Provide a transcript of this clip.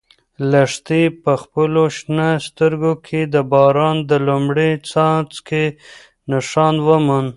لښتې په خپلو شنه سترګو کې د باران د لومړي څاڅکي نښان وموند.